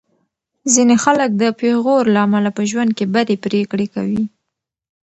ځینې خلک د پېغور له امله په ژوند کې بدې پرېکړې کوي.